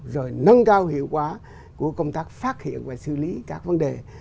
rồi nâng cao hiệu quả của công tác phát hiện và xử lý các vấn đề